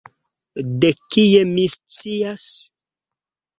De kie mi scias?